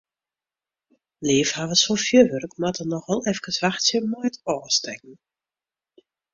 Leafhawwers fan fjurwurk moatte noch al efkes wachtsje mei it ôfstekken.